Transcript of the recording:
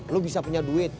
lu bisa punya duit